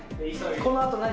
このあと何？